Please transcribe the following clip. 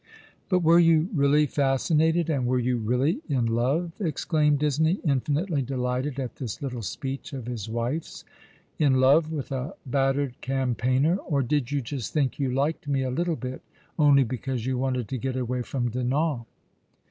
" But were you really fascinated, and were you really in love," exclaimed Disney, infinitely delighted at this little speech of his wife's, " in love with a battered campaigner— or did you just think you liked me a little bit, only because you wanted to get away from Dinan